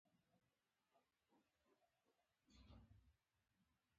له دولت او موسسو وروسته، خپلوانو ته هم ورکړه.